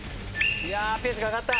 いやあペースが上がった！